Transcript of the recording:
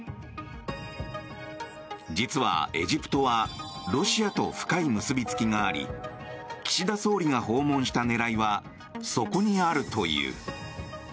実はエジプトはロシアと深い結びつきがあり岸田総理が訪問した狙いはそこにあるという。